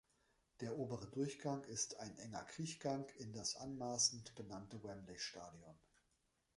Der obere Durchgang ist ein enger Kriechgang in das anmaßend benannte Wembley Stadion.